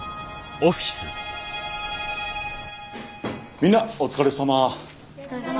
みんなお疲れさま。